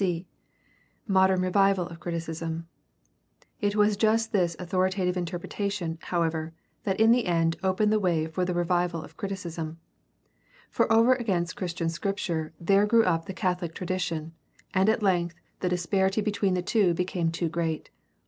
c) Modern revival of criticism. — ^It was just this authorita tive interpretation, however, that in the end opened the way for the revival of criticism. For over against Christian Scripture there grew up the Catholic tradition, and at length the disparity between the two became too great.